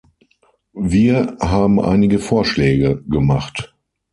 Wir haben einige Vorschläge gemacht.